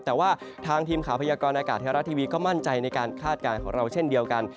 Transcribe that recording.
แต่ว่าทางทีมข่าวพยากรณากาศไทยรัฐทีวีก็มั่นใจในการคาดการณ์ของเราเช่นเดียวกัน